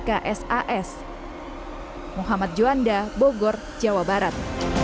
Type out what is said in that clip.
ksas muhammad juanda bogor jawa barat